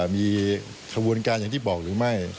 มีขบวนการอย่างที่บอกหรือไม่